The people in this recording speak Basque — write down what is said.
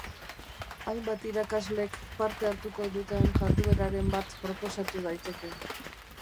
Hainbat irakaslek parte hartuko duten jardueraren bat proposatu daiteke.